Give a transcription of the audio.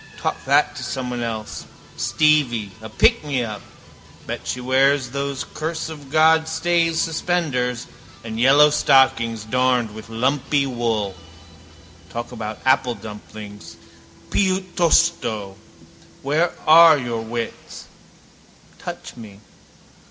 Talk that to someone else, Stevie: a pickmeup. Bet she wears those curse of God stays suspenders and yellow stockings, darned with lumpy wool. Talk about apple dumplings, piuttosto. Where are your wits? Touch me.